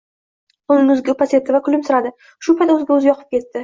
soʻng yuziga upa sepdi va kulimsiradi – shu payt oʻziga oʻzi yoqib ketdi.